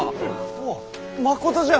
おおっまことじゃ。